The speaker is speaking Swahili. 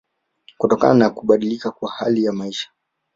kutokana na kubadilika kwa hali ya maisha